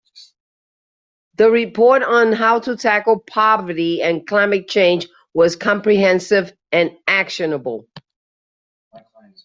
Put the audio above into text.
The report on how to tackle poverty and climate change was comprehensive and actionable.